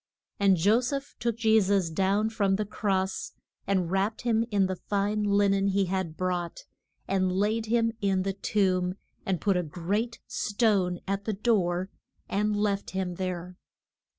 And Jo seph took Je sus down from the cross, and wrapped him in the fine lin en he had brought, and laid him in the tomb, and put a great stone at the door, and left him there.